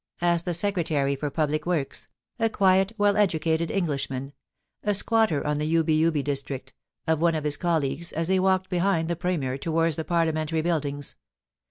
* asked the Secretary for Public Works, a quiet, well educated Englishman — a squatter on the Ubi Ubi district — of one of his colleagues, as they walked behind the Premier towards the Parliamentary Buildings.